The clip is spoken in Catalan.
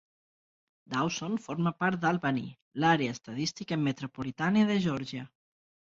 Dawson forma part d'Albany, l'àrea estadística metropolitana de Georgia.